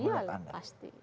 oh iya lah pasti